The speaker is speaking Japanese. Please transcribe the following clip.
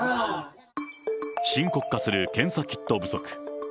深刻化する検査キット不足。